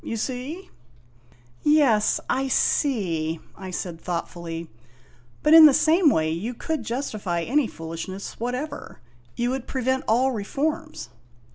You see ?' "Yes, I see," I said thoughtfully; "but in the same way you could justify any foolishness whatever. You would prevent all reforms."